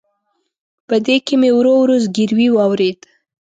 په دې کې مې ورو ورو زګیروي واورېد.